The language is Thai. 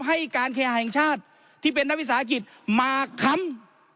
ให้การแคร์แห่งชาติที่เป็นนักวิสาหกิจมาค้ำ